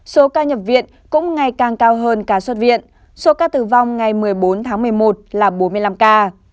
số ca nhập viện cũng ngày càng cao hơn cả xuất viện số ca tử vong ngày một mươi bốn tháng một mươi một là bốn mươi năm ca